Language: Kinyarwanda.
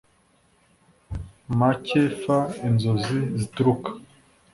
make f inzozi zituruka